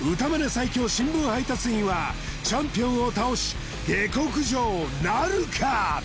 最強新聞配達員はチャンピオンを倒し下克上なるか！？